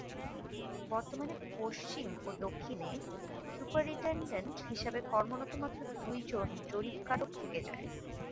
বর্তমানে পশ্চিম ও দক্ষিণে সুপারিন্টেনডেন্ট হিসেবে কর্মরত মাত্র দুইজন জরিপকারক থেকে যায়।